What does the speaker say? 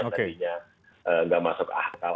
karena tidak masuk akal